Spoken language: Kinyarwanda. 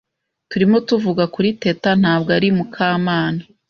Turimo tuvuga kuri Teta, ntabwo ari Mukamana.